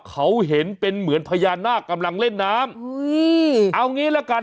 เขาเห็นเป็นเหมือนพญานาคกำลังเล่นน้ำอุ้ยเอางี้ละกัน